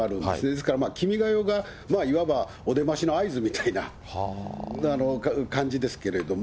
ですからまあ、君が代が、いわばお出ましの合図みたいな感じですけれども。